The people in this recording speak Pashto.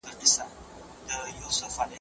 ملکیار د عشق او مینې د لارې لاروی و.